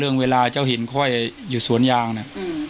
เรื่องเวลาเจ้าเห็นค่อยอยู่สวนยางนะ